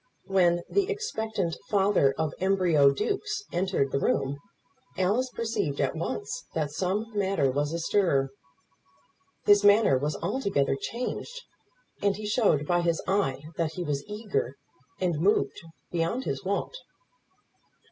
When the expectant father of embryo dukes entered the room, Alice perceived at once that some matter was astir. His manner was altogether changed, and he showed by his eye that he was eager and moved beyond his wont.